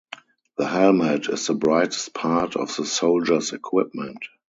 The helmet is the brightest part of the soldier's equipment.